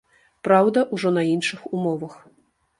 Праўда, ужо на іншых умовах.